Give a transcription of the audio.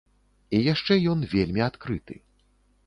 І яшчэ ён вельмі адкрыты.